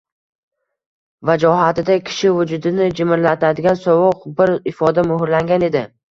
vajohatida kishi vujudini jimirlatadigan sovuq bir ifoda muhrlangan edi.